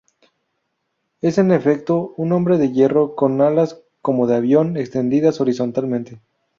Es en efecto, un hombre de hierro con alas como de avión, extendidas horizontalmente.